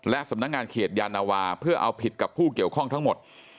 และสำนักงานเขตยานาวาเพื่อเอาผิดกับผู้เกี่ยวข้องทั้งหมด